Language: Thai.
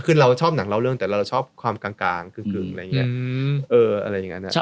คือเราชอบหนังเล่าเรื่องแต่เราชอบความกลางคืออะไรอย่างเงี้ย